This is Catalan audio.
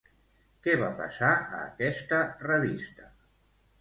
Què va passar a aquesta revista?